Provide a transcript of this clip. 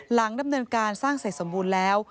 หลังดำเนินการสร้างเสร็จสมบูรณ์แล้ว